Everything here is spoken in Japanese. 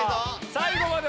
最後まで。